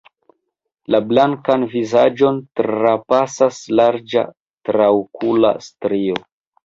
La blankan vizaĝon trapasas larĝa traokula strio.